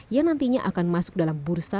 yang nantinya akan masuk dalam bursa